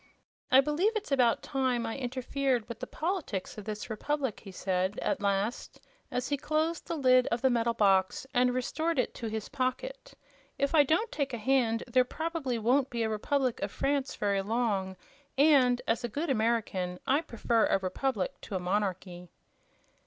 "I believe it's about time I interfered with the politics of this Republic," he said, at last, as he closed the lid of the metal box and restored it to his pocket. "If I don't take a hand there probably won't be a Republic of France very long and, as a good American, I prefer a republic to a monarchy."